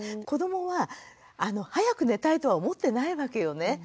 子どもは早く寝たいとは思ってないわけよね。